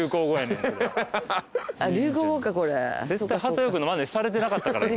絶対波田陽区のまねされてなかったから今。